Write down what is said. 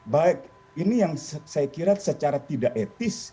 baik ini yang saya kira secara tidak etis